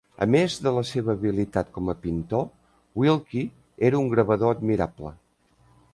A més de la seva habilitat com a pintor, Wilkie era un gravador admirable.